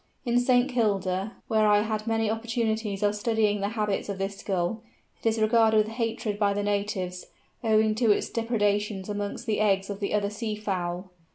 In St. Kilda, where I had many opportunities of studying the habits of this Gull, it is regarded with hatred by the natives, owing to its depredations amongst the eggs of the other sea fowl.